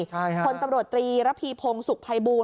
คนตำรวจตรีระพีพงศุกภัยบูร